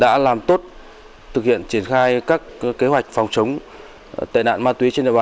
đã làm tốt thực hiện triển khai các kế hoạch phòng chống tệ nạn ma túy trên địa bàn